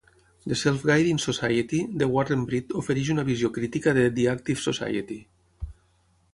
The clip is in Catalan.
"The Self-Guiding Society" de Warren Breed ofereix una visió crítica de "The Active Society".